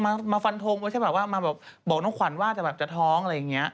มาฟันธมมาบอกน้องขวัญว่าจะท้องอะไรอย่างนี้